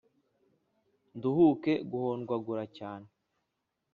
nduhuke guhondwagura cyane